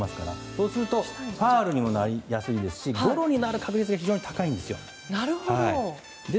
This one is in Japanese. そうするとファウルにもなりやすいしゴロになる確率が非常に高いんです。